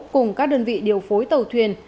cùng các đơn vị điều phối tàu thuyền